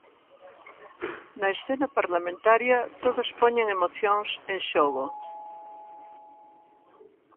Na escena parlamentaria todos poñen emocións en xogo.